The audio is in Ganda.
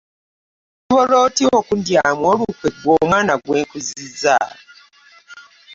Osobola otya okundyamu olukwe ggwe onwana gwe nkuzizza!